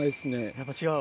やっぱ違う。